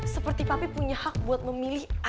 seperti papi punya hak buat memilih siapa temen reva